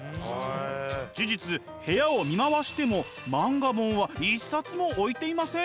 事実部屋を見回しても漫画本は一冊も置いていません。